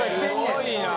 すごいな！